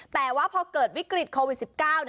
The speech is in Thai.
แต่ว่าพอเกิดวิกฤตโควิด๑๙